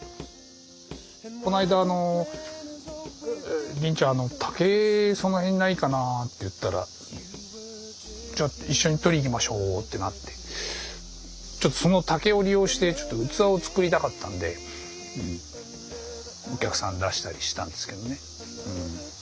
この間「林ちゃん竹その辺にないかな？」って言ったら「じゃあ一緒にとりに行きましょう」ってなってその竹を利用してちょっと器を作りたかったんでお客さんに出したりしたんですけどね。